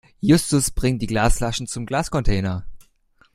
Justus bringt die Glasflaschen zum Glascontainer.